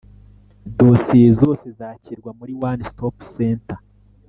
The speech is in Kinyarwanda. Dosiye zose zakirwa muri One Stop Centre